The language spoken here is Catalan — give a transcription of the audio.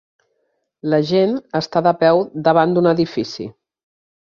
La gent està de peu davant d'un edifici.